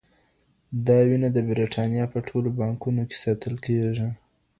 دا وینه د بریتانیا په ټولو بانکونو کې ساتل کېږي.